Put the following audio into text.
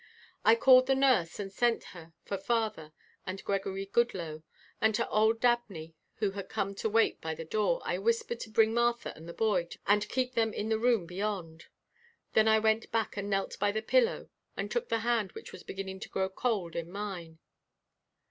I called the nurse and sent her for father and Gregory Goodloe, and to old Dabney who had come to wait by the door I whispered to bring Martha and the boy and keep them in the room beyond. Then I went back and knelt by the pillow and took the hand which was beginning to grow cold in mine.